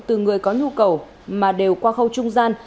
từ người có nhu cầu mà đều qua khâu trung gian